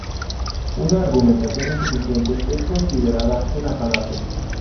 Una argumentación insuficiente es considerada una falacia.